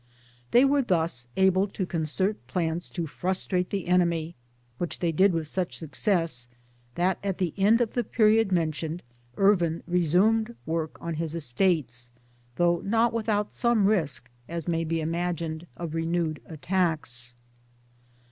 They were thus able to concert plans to frustrate the enemy, which they did with such success that at the end of the period mentioned Ervin re sumed work on his estates though not without some risk, as may be imagined, of renewed attack's.